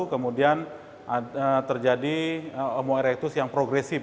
kemudian terjadi omo erectus yang progresif